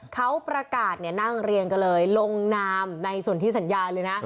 เขาประกาศนั่งเรียงกันเลยลงนามในส่วนที่สัญญาเลยนะ